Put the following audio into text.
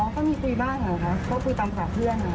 ก็มีคุยบ้างนะคะก็คุยตามหาเพื่อน